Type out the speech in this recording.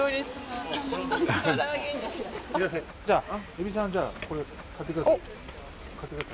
蛭子さんじゃあこれ買って下さい。